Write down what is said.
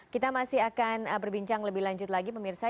kita masih akan berbincang lebih lanjut lagi pemirsa